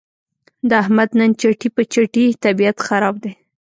د احمد نن چټي په چټي طبیعت خراب دی.